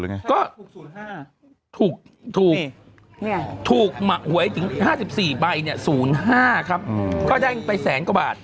ถูกถูกถูกมาไว้ถึง๕๔ใบเนี่ย๐๕ครับก็ได้ไปแสนกว่าบาท